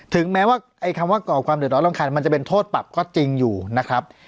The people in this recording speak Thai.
ถึงแม้ว่าไอ้คำว่าก่อความเดือดร้อนรำคาญมันจะเป็นโทษปรับก็จริงอยู่นะครับ